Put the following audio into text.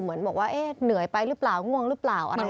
เหมือนบอกว่าเหนื่อยไปหรือเปล่าง่วงหรือเปล่าอะไร